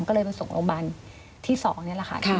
ก็เลยไปส่งโรงพยาบาลที่๒นี่แหละค่ะ